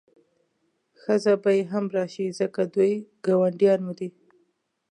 ښځه به یې هم راشي ځکه دوی ګاونډیان مو دي.